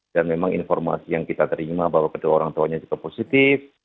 dan memang informasi yang kita terima bahwa kedua orang tuanya juga positif